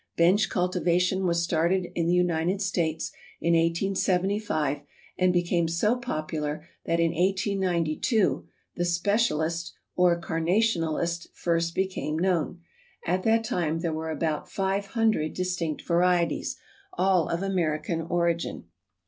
Bench cultivation was started in the United States in 1875 and became so popular that in 1892 the specialist or "Carnationalist" first became known. At that time there were about five hundred distinct varieties, all of American origin.